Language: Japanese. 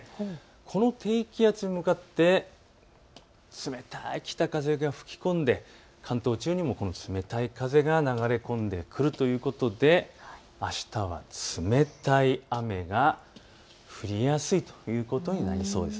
この低気圧に向かって冷たい北風が吹き込んで関東地方にもこの冷たい風が流れ込んでくるということであしたは冷たい雨が降りやすいということになりそうです。